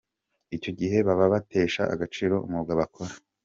Icyo gihe baba batesha agaciro umwuga bakora.